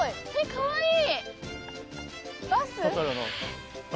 かわいい！